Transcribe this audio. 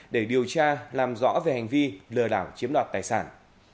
để điều tra làm rõ về hành vi lừa đảo chiếm đoạt tài sản